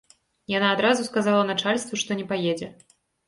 Яна адразу сказала начальству, што не паедзе.